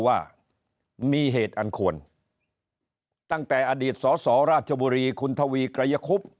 ว่ามีเหตุอันควรตั้งแต่อดีตสสราชบุรีคุณทวีไกรคุบ